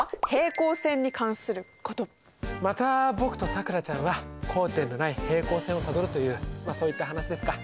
今回はまた僕とさくらちゃんは交点のない平行線をたどるというまあそういった話ですか。